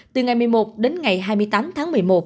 từ ngày một mươi một đến ngày hai mươi tám tháng một mươi một